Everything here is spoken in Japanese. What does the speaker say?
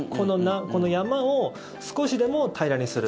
この山を少しでも平らにする。